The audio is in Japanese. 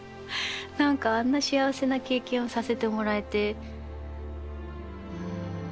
何かあんな幸せな経験をさせてもらえて。